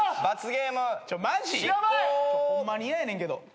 ホンマに嫌やねんけど。